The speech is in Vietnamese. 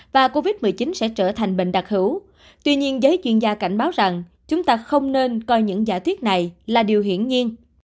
và covid một mươi chín sẽ trở thành bệnh đặc hữu tuy nhiên giới chuyên gia cảnh báo rằng chúng ta không nên coi những giả thuyết này là điều hiển nhiên